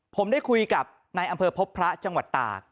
ผมได้คุยกับนายอำเภอพบพระจังหวัดตาก